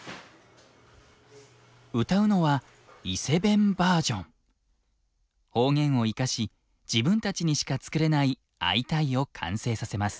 歌うのは方言を生かし自分たちにしか作れない「アイタイ！」を完成させます。